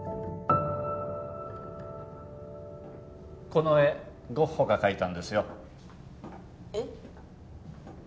この絵ゴッホが描いたんですよえっ？